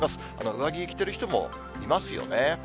上着着ている人もいますよね。